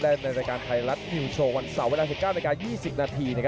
ได้ในรายการท้ายรัทนิวโชว์วันเสาร์๑๙๒๐น